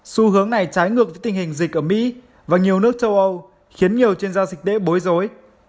xu hướng này trái ngược với tình hình dịch ở mỹ và nhiều nước châu âu khiến nhiều chuyên gia dịch đệ bối rối